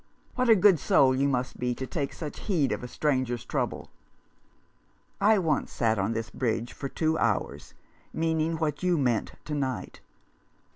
What a good soul you must be to take such heed of a stranger's trouble !"" I once sat on this bridge for two hours, mean ing what you meant to night."